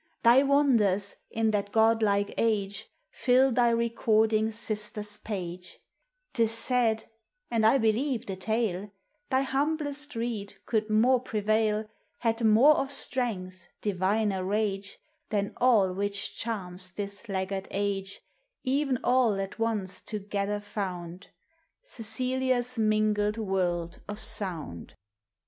Thy wonders, in that godlike age, Fill thy recording sister's page; 'T is said — and I believe the tale — Thy humblest reed could more prevail, Had more of strength, diviner rage, Than all which charms this laggard age, — E'en all at once together found, — Cecilia's mingled world of sound.